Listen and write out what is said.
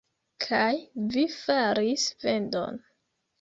Kaj vi faris vendon.